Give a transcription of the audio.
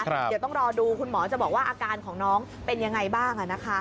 เดี๋ยวต้องรอดูคุณหมอจะบอกว่าอาการของน้องเป็นยังไงบ้าง